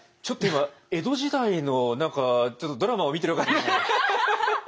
ちょっと今江戸時代の何かドラマを見てるかのような。